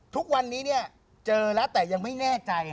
ทุกวันนี้เจอแล้วแต่ยังไม่แน่ใจ